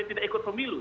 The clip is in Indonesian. tidak ikut pemilu